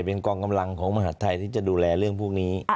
เป็นกองกำลังของมหาดไทยที่จะดูแลเรื่องพวกนี้